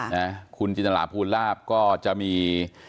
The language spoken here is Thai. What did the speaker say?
ค่ะคุณจินลาภูลลาภก็จะมี